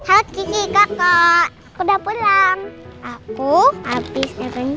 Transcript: ada anastasia pun